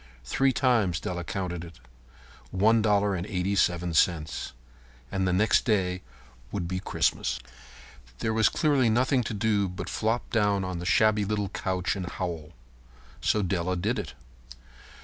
Three times Della counted it. One dollar and eighty seven cents. And the next day would be Christmas. There was clearly nothing to do but flop down on the shabby little couch and howl. So Della did it.